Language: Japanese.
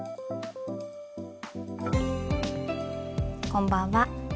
こんばんは。